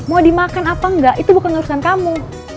mau dimakan apa enggak itu bukan urusan kamu